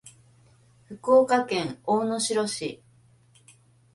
福岡県大野城市